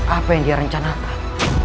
apa yang dia rencanakan